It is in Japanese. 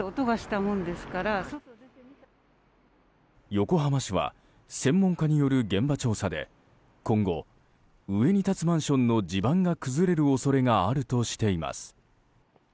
横浜市は専門家による現場調査で今後上に建つマンションの地盤が崩れる恐れがあるとしています。